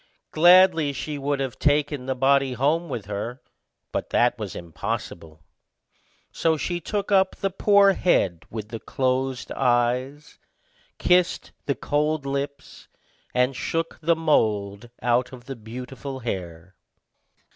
Gladly would she have taken the body home with her; but that was impossible; so she took up the poor head with the closed eyes, kissed the cold lips, and shook the mould out of the beautiful hair.